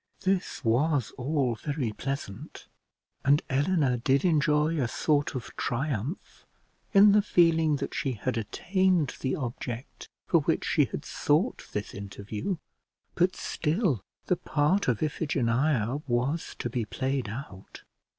This was all very pleasant, and Eleanor did enjoy a sort of triumph in the feeling that she had attained the object for which she had sought this interview; but still the part of Iphigenia was to be played out.